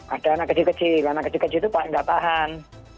ada anak kecil kecil anak kecil kecil itu paling tidak tahan